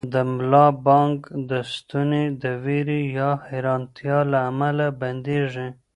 د ملا بانګ ستونی د وېرې یا حیرانتیا له امله بندېږي.